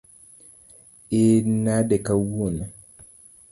In nade kawuono?